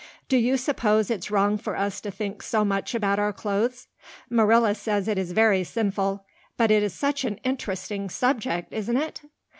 Do you suppose it's wrong for us to think so much about our clothes? Marilla says it is very sinful. But it is such an interesting subject, isn't it?"